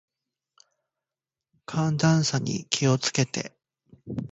寒暖差に気を付けて。